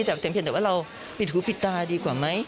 แต่เพียงแต่ว่าเราปิดหูปิดตาดีกว่าไหม